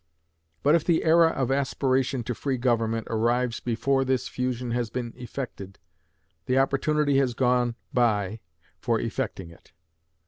But if the era of aspiration to free government arrives before this fusion has been effected, the opportunity has gone by for effecting it.